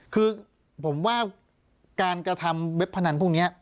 คือผมว่าการกระทำเว็บพนันพวกนี้